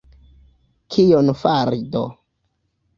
Kion fari do?